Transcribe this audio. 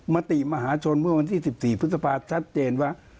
มติมหาชนเมื่อวันที่๑๔พฤษภาชัดเจนว่า